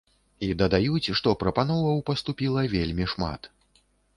І дадаюць, што прапановаў паступіла вельмі шмат.